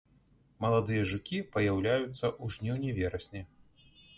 Маладыя жукі паяўляюцца ў жніўні-верасні.